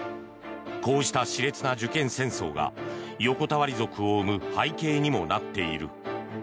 こうした熾烈な受験戦争が横たわり族を生む背景にもなっている。